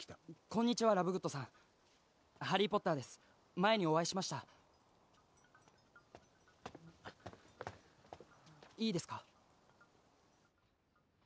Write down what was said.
こんにちはラブグッドさんハリー・ポッターです前にお会いしましたいいですか？